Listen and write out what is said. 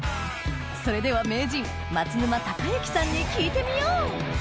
それでは名人松沼孝行さんに聞いてみよう！